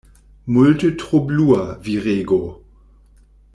Multe tro blua, virego.